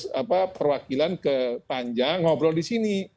mengutus perwakilan ke panja ngobrol di sini